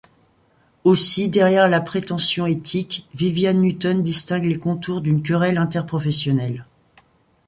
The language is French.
Aussi derrière la prétention éthique, Vivian Nutton distingue les contours d'une querelle interprofessionnelle.